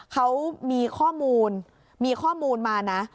เขามีข้อมูลมีข้อมูลมานะ